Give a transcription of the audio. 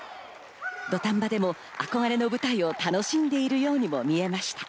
土壇場でも憧れの舞台を楽しんでいるようにも見えました。